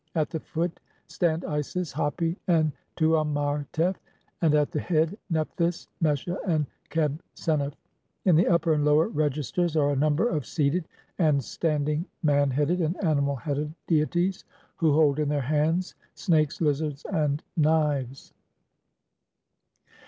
At the foot stand Isis, Hapi, and Tuamautef, and at the head Nephthys, Mestha, and Qebhsennuf. In the upper and lower registers are a number of seated and standing man headed and animal headed deities who hold in their hands snakes, lizards, and knives.